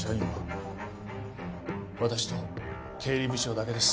私と経理部長だけです。